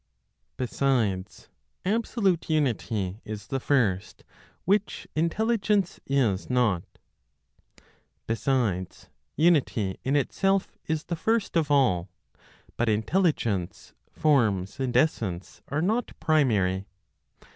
BESIDES, ABSOLUTE UNITY IS THE FIRST, WHICH INTELLIGENCE IS NOT. Besides, Unity in itself is the first of all; but intelligence, forms and essence are not primary.